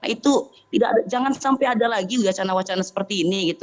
itu jangan sampai ada lagi wacana wacana seperti ini gitu